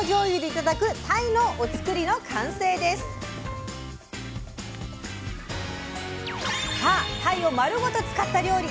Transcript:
たいを丸ごと使った料理。